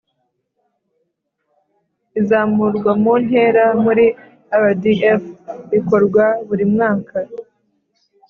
Izamurwa mu ntera muri rdf rikorwa buri mwaka